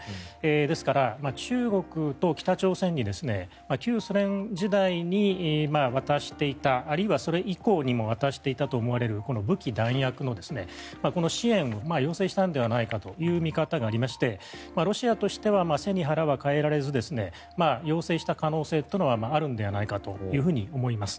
ですから、中国と北朝鮮に旧ソ連時代に渡していたあるいは、それ以降にも渡していたと思われる武器弾薬のこの支援を要請したんじゃないかという見方がありましてロシアとしては背に腹は代えられずですね要請した可能性というのはあるのではないかと思います。